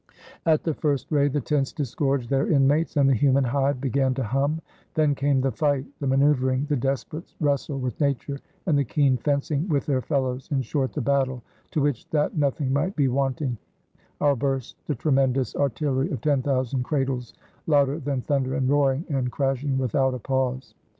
At the first ray the tents disgorged their inmates, and the human hive began to hum; then came the fight, the maneuvering, the desperate wrestle with Nature, and the keen fencing with their fellows in short, the battle to which, that nothing might be wanting, out burst the tremendous artillery of ten thousand cradles louder than thunder, and roaring and crashing without a pause.